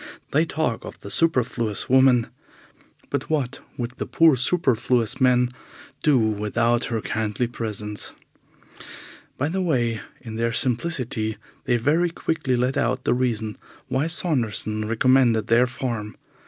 They talk of the superfluous woman, but what would the poor superfluous man do without her kindly presence? By the way, in their simplicity they very quickly let out the reason why Saunderson recommended their farm.